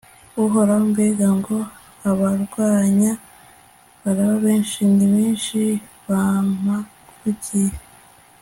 uhoraho, mbega ngo abandwanya baraba benshi! ni benshi bampagurukiye